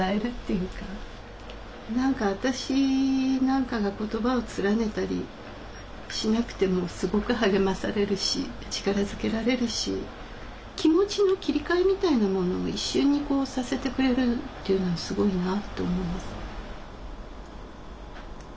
何か私なんかが言葉を連ねたりしなくてもすごく励まされるし力づけられるし気持ちの切り替えみたいなものを一瞬にさせてくれるっていうのはすごいなと思います。